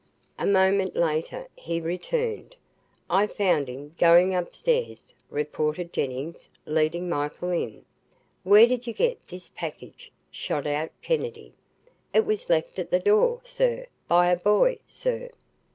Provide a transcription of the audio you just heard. A moment later he returned. "I found him, going upstairs," reported Jennings, leading Michael in. "Where did you get this package?" shot out Kennedy. "It was left at the door, sir, by a boy, sir."